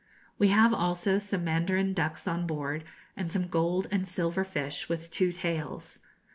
We have also some mandarin ducks on board, and some gold and silver fish with two tails.